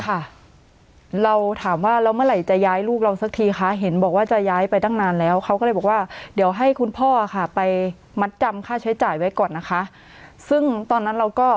ค่ะเราถามว่าแล้วเมื่อไหร่จะย้ายลูกเราสักทีคะเห็นบอกว่าจะย้ายไปตั้งนานแล้วเขาก็เลยบอกว่าเดี๋ยวให้คุณพ่อค่ะไปมัดจำค่าใช้จ่ายไว้ก่อนนะคะซึ่งตอนนั้นเราก็